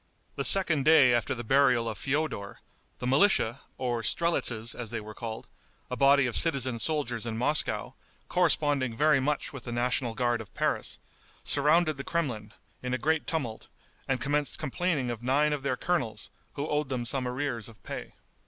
The second day after the burial of Feodor, the militia, or strelitzes as they were called, a body of citizen soldiers in Moscow, corresponding very much with the national guard of Paris, surrounded the Kremlin, in a great tumult, and commenced complaining of nine of their colonels, who owed them some arrears of pay.